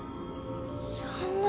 そんな。